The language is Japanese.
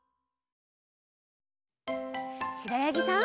しろやぎさん。